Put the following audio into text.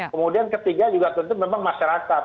kemudian ketiga juga tentu memang masyarakat